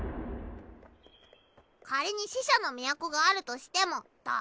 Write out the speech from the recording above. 仮に死者の都があるとしてもだ